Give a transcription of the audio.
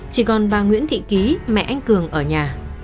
chỉ còn bà nguyễn thị ký mẹ anh cường ở nhà